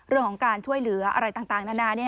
เรื่องของการช่วยเหลืออะไรต่างนานา